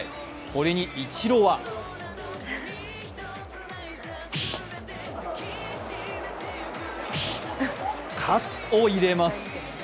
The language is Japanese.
これにイチローは喝を入れます。